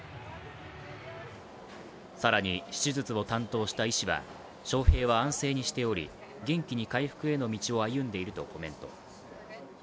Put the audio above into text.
更に、手術を担当した医師は翔平は安静にしており元気に回復への道を歩んでいるとコメント。